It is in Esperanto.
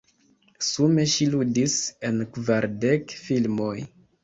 Sume ŝi ludis en kvardek filmoj.